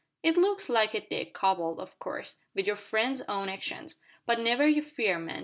"It looks like it, Dick, coupled, of course, wi' your friend's own actions. But never you fear, man.